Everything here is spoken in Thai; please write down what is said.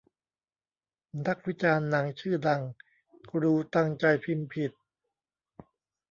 นักวิจารณ์หนังชื่อดัง กรูตั้งใจพิมพ์ผิด